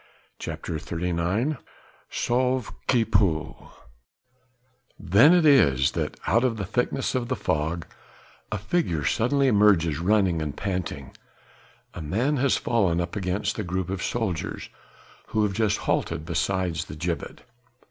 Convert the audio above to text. CHAPTER XXXIX "SAUVE QUI PEUT" Then it is that, out of the thickness of the fog a figure suddenly emerges running and panting: a man has fallen up against the group of soldiers who have just halted beside the gibbet.